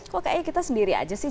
kok kayaknya kita sendiri aja sih